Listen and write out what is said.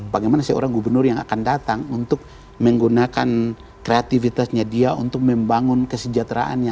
bagaimana seorang gubernur yang akan datang untuk menggunakan kreativitasnya dia untuk membangun kesejahteraannya